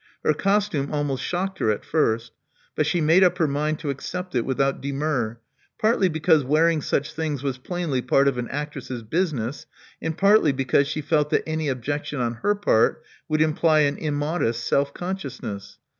Her costume almost shocked her at first; but she made up her mind to accept it without demur, partly because wearing such things was plainly part of an actress's business, and partly because she felt that any objection on her part would imply an immodest self consciousness.